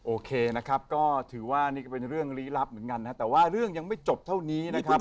โอเคนะครับก็ถือว่านี่ก็เป็นเรื่องลี้ลับเหมือนกันนะฮะแต่ว่าเรื่องยังไม่จบเท่านี้นะครับ